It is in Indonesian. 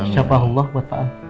syafahullah buat pak al